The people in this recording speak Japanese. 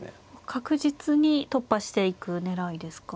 確実に突破していく狙いですか。